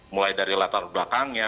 mulai dari latar belakangnya